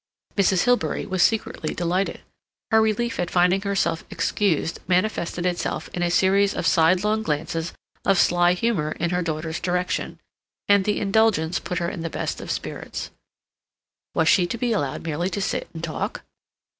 Mrs. Hilbery was secretly delighted. Her relief at finding herself excused manifested itself in a series of sidelong glances of sly humor in her daughter's direction, and the indulgence put her in the best of spirits. Was she to be allowed merely to sit and talk?